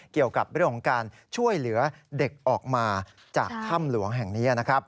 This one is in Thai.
เกี่ยวกับเรื่องของการช่วยเหลือเด็กออกมาจากถ้ำหลวงแห่งนี้นะครับ